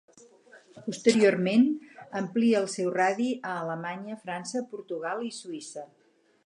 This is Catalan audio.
Posteriorment amplia el seu radi a Alemanya, França, Portugal i Suïssa.